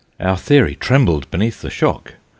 Our theory trembled beneath the shock.